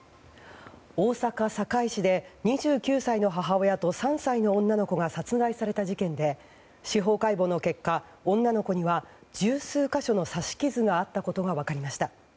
大阪・堺市で２９歳の母親と３歳の女の子が殺害された事件で司法解剖の結果女の子には十数か所の刺し傷があったことが分かりました。